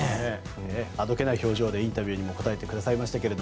あどけない表情でインタビューに答えてくださいましたが。